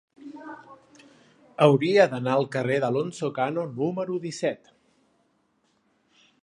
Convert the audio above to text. Hauria d'anar al carrer d'Alonso Cano número disset.